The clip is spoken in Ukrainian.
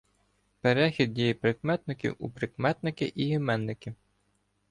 Перехід дієприкметників у прикметники і іменники